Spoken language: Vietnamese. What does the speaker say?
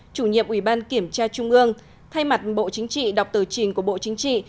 chủ nhiệm ủy ban kiểm tra trung ương thay mặt bộ chính trị đọc tờ trình của bộ chính trị